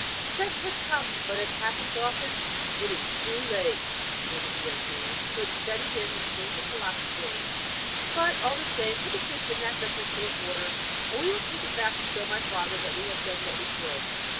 'Success has come, but, as happens often, it is too late,' murmured the young man, who had studied in the schools of philosophy; 'but, all the same, put the fish in that vessel full of water, and we will take it back to show my father that we have done what we could.'